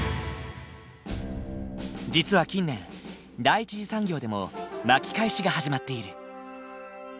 実は近年第一次産業でも巻き返しが始まっている。